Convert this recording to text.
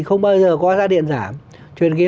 không bao giờ có giá điện giảm chuyên nghĩa